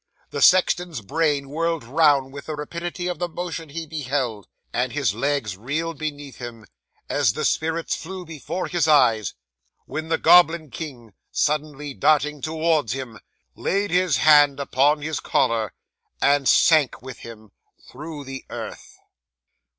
The sexton's brain whirled round with the rapidity of the motion he beheld, and his legs reeled beneath him, as the spirits flew before his eyes; when the goblin king, suddenly darting towards him, laid his hand upon his collar, and sank with him through the earth.